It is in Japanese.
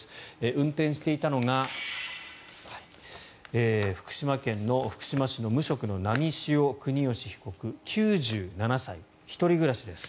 運転していたのが福島市の無職の波汐國芳被告、９７歳１人暮らしです。